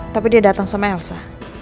tapi dia datang sama elsa